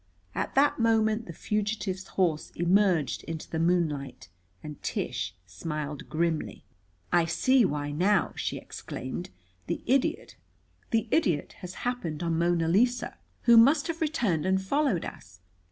At that moment the fugitive's horse emerged into the moonlight and Tish smiled grimly. "I see why now," she exclaimed. "The idiot has happened on Mona Lisa, who must have returned and followed us.